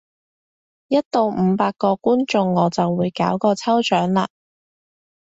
一到五百個觀眾我就會搞個抽獎喇！